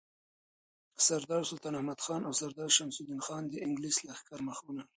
سردار سلطان احمدخان او سردار شمس الدین خان د انگلیس د لښکر مخه نیوله.